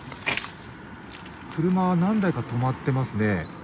車、何台か止まっていますね。